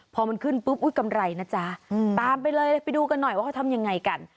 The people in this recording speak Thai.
พอมันขึ้นปุ๊บอุ๊ยกำไรนะจ๊ะตามไปเลยไปดูกันหน่อยว่าเขาทำยังไงกัน